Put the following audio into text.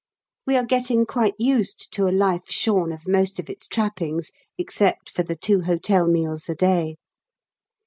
We are getting quite used to a life shorn of most of its trappings, except for the two hotel meals a day.